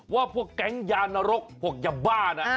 ว่าพวกแก๊งยานรกพวกยาบ้านะ